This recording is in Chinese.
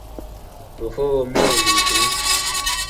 祖父廖礼庭。